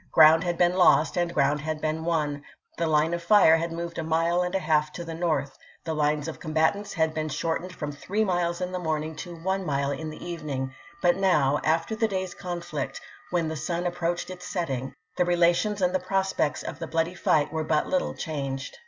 Ground had been lost and ground had been won ; the line of fire had moved a mile and a half to the north ; the lines of combatants had been shortened from three miles in the morning to one mile in the evening ; but now, after the day's con flict, when the sun approached his setting, the rela tions and the prospects of the bloody fight were but little changed.